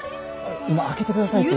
今開けてくださいって。